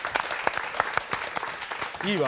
いいわ。